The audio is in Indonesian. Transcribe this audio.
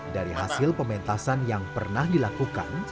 dari hasil pementasan yang pernah dilakukan